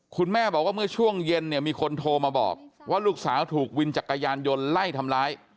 คุณแม่บอกว่าเมื่อช่วงเย็นเนี่ยมีคนโทรมาบอกว่าลูกสาวถูกวินจักรยานยนต์ไล่ทำร้าย